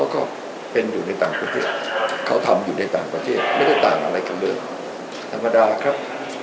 ก็เป็นอยู่ในต่างประเทศเขาทำอยู่ในต่างประเทศไม่ได้ต่างอะไรกันเลยธรรมดาครับ